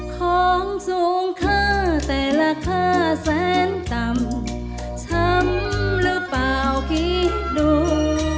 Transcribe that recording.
ของสูงค่าแต่ราคาแสนต่ำช้ำหรือเปล่าคิดดู